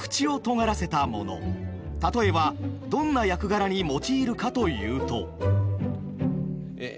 例えばどんな役柄に用いるかというと。